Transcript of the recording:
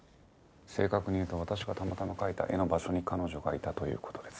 正確に言うと私がたまたま描いた絵の場所に彼女がいたという事です。